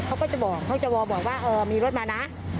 เค้าก็จะบอกจะมองหว่ามีรถมานะ